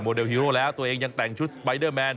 เลฮีโร่แล้วตัวเองยังแต่งชุดสไปเดอร์แมน